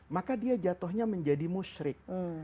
maka dia jatuhnya menjadi musyrik